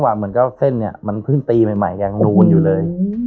บ๊วยก็เส้นเพิ่งตีใหม่ยังโน้นอยู่เลย